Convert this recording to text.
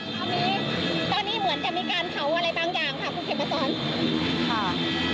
ตอนนี้เหมือนจะมีการเทาอะไรต่างอย่างครับคุณเฉพาะจร